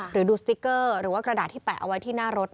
ดูสติ๊กเกอร์หรือว่ากระดาษที่แปะเอาไว้ที่หน้ารถ